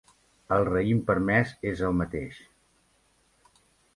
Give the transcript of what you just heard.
El raïm permès és el mateix.